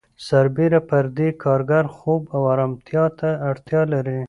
سربېره پر دې کارګر خوب او آرامتیا ته اړتیا لري